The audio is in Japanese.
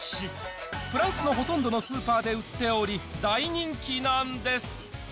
フランスのほとんどのスーパーで売っており、大人気なんです。